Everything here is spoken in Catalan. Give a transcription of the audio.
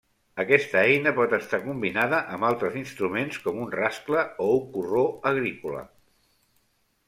Aquesta eina pot estar combinada amb altres instruments com un rascle o un corró agrícola.